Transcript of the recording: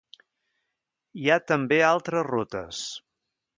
Hi ha també altres rutes.